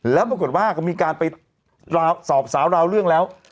แล้วปรากฏว่าก็มีการไปสอบสาวราวเรื่องแล้ว